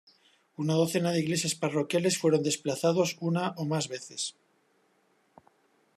Una docena de iglesias parroquiales fueron desplazados una o más veces.